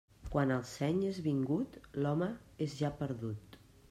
Quan el seny és vingut, l'home és ja perdut.